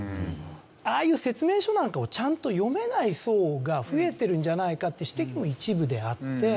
ああいう説明書なんかをちゃんと読めない層が増えてるんじゃないかって指摘も一部であって。